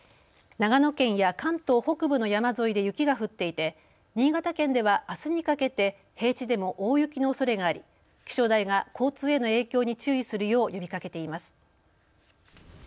長野県や関東北部の山沿いで雪が降っていて新潟県ではあすにかけて平地でも大雪のおそれがあり、気象台が交通への影響に注意するよう呼びかけています。